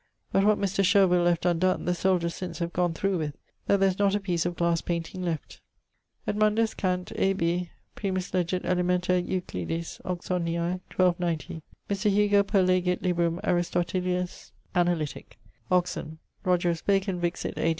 But what Mr. Shervill left undonne, the soldiers since have gonne through with, that there is not a piece of glass painting left. 'Edmundus, Cant. A.B., primus legit Elementa Euclidis, Oxoniæ, 1290; Mr. Hugo perlegit librum Aristotelis Analytic. Oxon.; Rogerus Bacon vixit A.